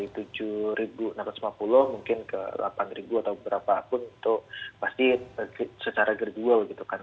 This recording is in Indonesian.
dari tujuh enam ratus lima puluh mungkin ke delapan ribu atau berapa pun itu pasti secara gradual gitu kan